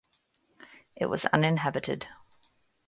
It was uninhabited.